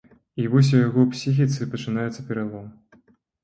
І вось у яго псіхіцы пачынаецца пералом.